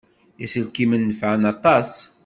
Iselkimen nefɛen aṭas.